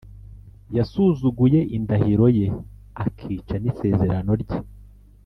yasuzuguye indahiro ye akica n isezerano rye